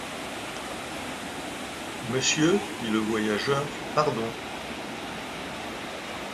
Monsieur, dit le voyageur, pardon.